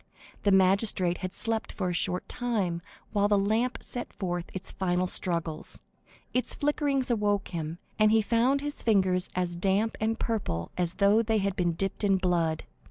The magistrate had slept for a short time while the lamp sent forth its final struggles; its flickerings awoke him, and he found his fingers as damp and purple as though they had been dipped in blood.